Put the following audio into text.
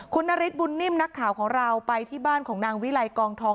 คุณนฤทธบุญนิ่มนักข่าวของเราไปที่บ้านของนางวิลัยกองทอง